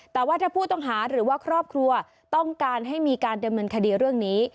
แต่ว่าถ้าผู้ต้องหาหรือว่าครอบครัวต้องการให้มีการดำเนินคดีเรื่องนี้